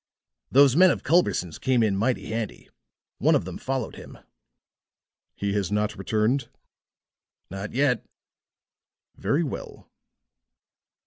"Those men of Culberson's came in mighty handy. One of them followed him." "He has not returned?" "Not yet." "Very well."